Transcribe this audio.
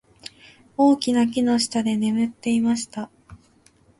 大きな木の下で眠っていました。